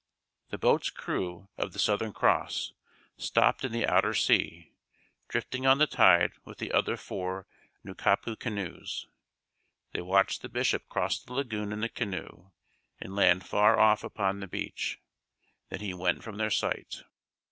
The boat's crew of The Southern Cross stopped in the outer sea, drifting on the tide with the other four Nukapu canoes. They watched the Bishop cross the lagoon in the canoe and land far off upon the beach. Then he went from their sight.